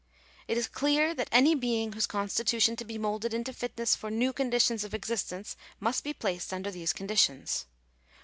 It is clear that any being whose constitution is to be moulded into fitness for new conditions of existence must be placed under those conditions.